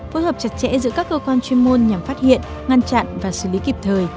phối hợp chặt chẽ giữa các cơ quan chuyên môn nhằm phát hiện ngăn chặn và xử lý kịp thời